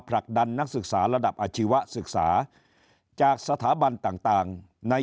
ผลักดันนักศึกษาระดับอาชีวศึกษาจากสถาบันต่างใน